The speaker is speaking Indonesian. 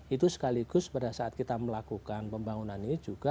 itu sekaligus pada saat kita melakukan pembangunan ini juga